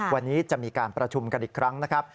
วันนี้จะมีการประชุมกันอีกครั้งนะครับ